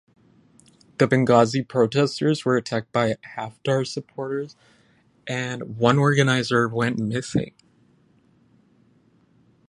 The Benghazi protestors were attacked by Haftar supporters and one organiser went missing.